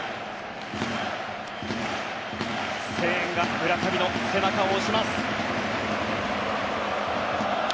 声援が村上の背中を押します。